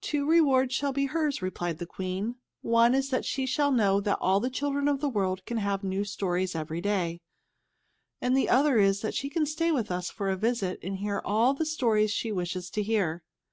"Two rewards shall be hers," replied the Queen. "One is that she shall know that all the children of the world can have new stories every day; and the other is that she can stay with us for a visit and hear all the stories she wishes to hear."